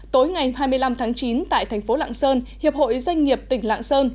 tối ngày hai mươi năm tháng chín tại thành phố lạng sơn hiệp hội doanh nghiệp tỉnh lạng sơn